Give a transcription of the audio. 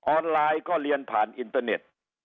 ออนไลน์ก็เรียนผ่านอินเตอร์เน็ต